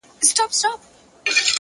بړستنه مې اغوستې ده ارام کؤم ضمير يم